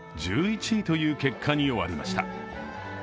１１位という結果に終わりました。